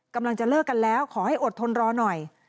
กำลังจะเลิกกันแล้วขอให้อดทนรอหน่อย